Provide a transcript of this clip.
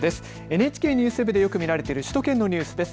ＮＨＫＮＥＷＳＷＥＢでよく見られている首都圏のニュースです。